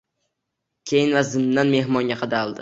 Keyin esa zimdan mehmonga qadaldi